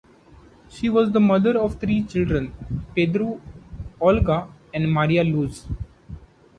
She was the mother of three children, Pedro, Olga and Maria Luz.